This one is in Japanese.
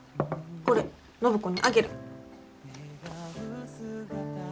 これ暢子にあげる。